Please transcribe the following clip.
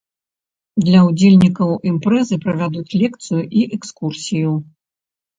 Для удзельнікаў імпрэзы правядуць лекцыю і экскурсію.